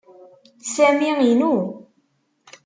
Sami inu.